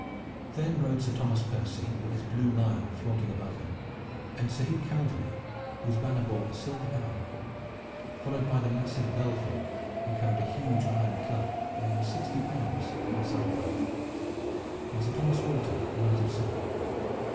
Then rode Sir Thomas Percy with his blue lion flaunting above him, and Sir Hugh Calverly, whose banner bore a silver owl, followed by the massive Belford who carried a huge iron club, weighing sixty pounds, upon his saddlebow, and Sir Thomas Walton the knight of Surrey.